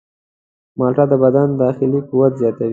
مالټه د بدن داخلي قوت زیاتوي.